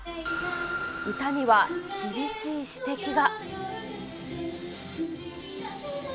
歌には厳しい指摘が。